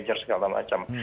pajer segala macam